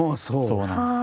そうなんです。